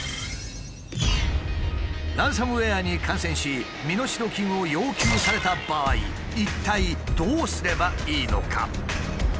ランサムウエアに感染し身代金を要求された場合一体どうすればいいのか？